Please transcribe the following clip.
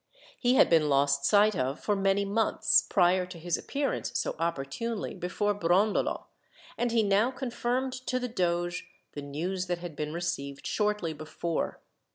He had been lost sight of for many months, prior to his appearance so opportunely before Brondolo, and he now confirmed to the doge the news that had been received shortly before.